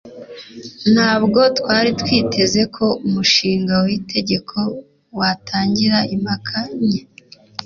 ntabwo twari twiteze ko umushinga w'itegeko watangira impaka nke